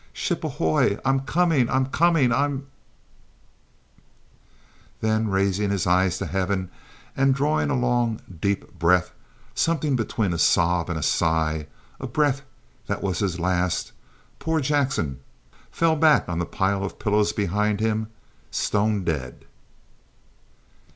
Ship ahoy! I'm coming I'm comi ing. I'm " Then, raising his eyes to heaven, and drawing a long deep breath, something between a sob and a sigh, a breath that was his last, poor Jackson fell back on the pile of pillows behind him, stone dead!